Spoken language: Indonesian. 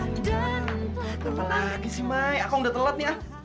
gapal lagi sih mai akan udah telat nih akan